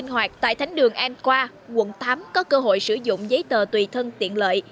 hoặc tại thánh đường an khoa quận tám có cơ hội sử dụng giấy tờ tùy thân tiện lợi